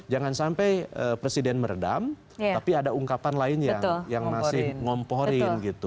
jangan sampai presiden meredam tapi ada ungkapan lain yang masih ngomporin gitu